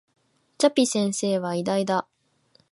チャピ先生は偉大だ